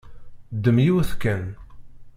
Ddem yiwet kan.